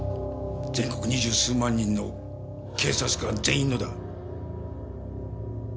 全国二十数万人の警察官全員のだ。